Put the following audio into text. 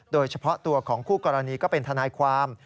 โดยเฉพาะตัวของคู่กรณีก็เป็นทนายความ